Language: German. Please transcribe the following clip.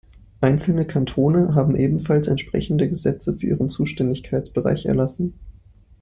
Einzelne Kantone haben ebenfalls entsprechende Gesetze für ihren Zuständigkeitsbereich erlassen.